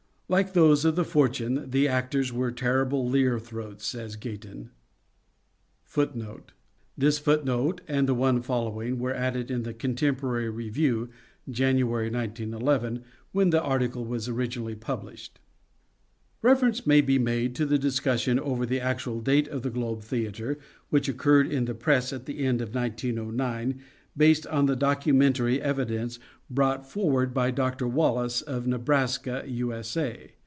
Like those of "The Fortune," the actors were terrible leer throats, says Gayton.* Go on a few * This footnote and the one following were added in the Contemporary Review, January 191 1, when the article was originally published : Reference may be made to the discussion over the actual date of The Globe Theatre which occurred in the Press at the end of 1909, based upon documentary evidence brought forward by Dr. Wallace, of Nebraska, U.S.A.